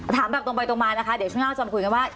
ถามแบบตรงไปตรงมานะคะเดี๋ยวช่วงหน้าจะมาคุยกันว่า